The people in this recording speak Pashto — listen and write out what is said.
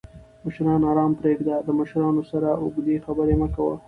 مشران آرام پریږده! د مشرانو سره اوږدې خبرې مه کوه